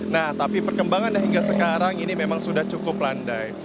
nah tapi perkembangannya hingga sekarang ini memang sudah cukup landai